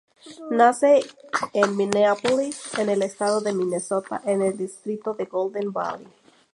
Nace en Mineápolis, en el estado de Minnesota, en el distrito de Golden Valley.